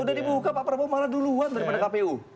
udah dibuka pak prabowo malah duluan daripada kpu